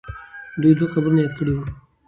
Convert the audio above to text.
دوی دوه قبرونه یاد کړي وو.